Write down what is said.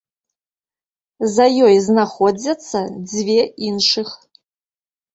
За ёй знаходзяцца дзве іншых.